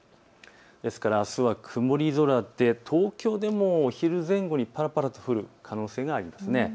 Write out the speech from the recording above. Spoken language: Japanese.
あすは曇り空で東京でもお昼前後でぱらぱらと降る可能性があります。